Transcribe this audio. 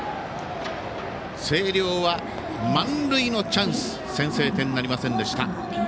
星稜は満塁のチャンス先制点なりませんでした。